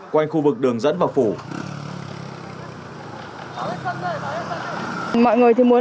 quanh khu vực đường dẫn và phủ